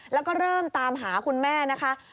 แล้วก็เริ่มตามหาคุณแม่นะคะ